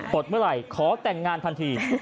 ดเมื่อไหร่ขอแต่งงานทันที